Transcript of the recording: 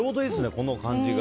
この感じが。